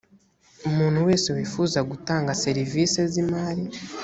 umuntu wese wifuza gutanga serivisi z imari